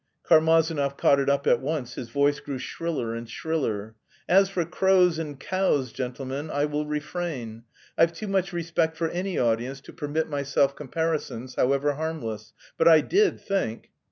Karmazinov caught it up at once, his voice grew shriller and shriller. "As for crows and cows, gentlemen, I will refrain. I've too much respect for any audience to permit myself comparisons, however harmless; but I did think..."